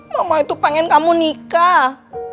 mama itu pengen kamu nikah